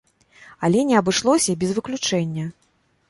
Але не абышлося і без выключэння.